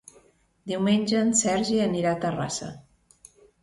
Diumenge en Sergi anirà a Terrassa.